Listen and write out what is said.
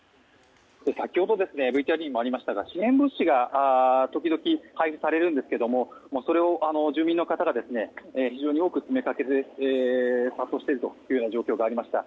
先ほどＶＴＲにもありましたが支援物資が時々配布されるんですけれどもそれを住民の方が非常に多く殺到しているという状況がありました。